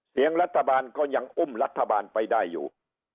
เสียงรัฐบาลก็ยังอุ้มรัฐบาลไปได้อยู่